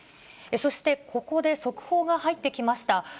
そして、ここで速報が入ってきました。